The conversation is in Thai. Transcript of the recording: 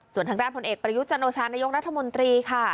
ส่วนทางด้านผลเอกปริยุจโจรชานนรัฐมนตรีค่ะ